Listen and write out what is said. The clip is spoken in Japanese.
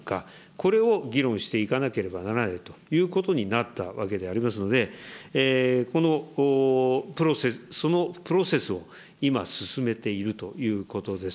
これを議論していかなければならないとなったわけでありますので、このプロセス、そのプロセスを今、進めているということです。